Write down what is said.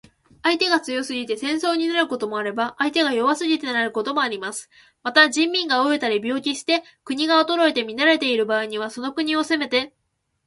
相手が強すぎて戦争になることもあれば、相手が弱すぎてなることもあります。また、人民が餓えたり病気して国が衰えて乱れている場合には、その国を攻めて